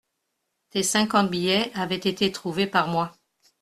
Tes cinquante billets avaient été trouvés par moi.